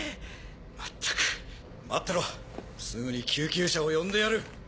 まったく待ってろすぐに救急車を呼んでやる。